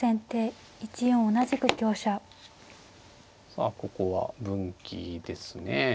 さあここは分岐ですね。